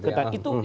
ketanak begitu ya